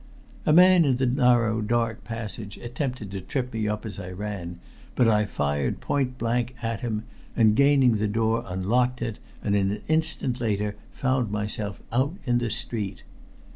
A man in the narrow dark passage attempted to trip me up as I ran, but I fired point blank at him, and gaining the door unlocked it, and an instant later found myself out in the street.